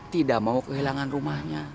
tidak mau kehilangan rumahnya